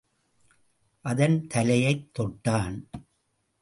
அதன் தலையைத் தொட்டான்.